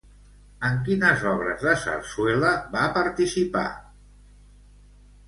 En quines obres de sarsuela va participar?